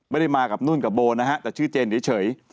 ไม่ได้มากับนุ่นกับโบนะฮะแต่ชื่อเจนเฉย